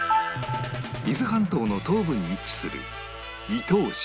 伊豆半島の東部に位置する伊東市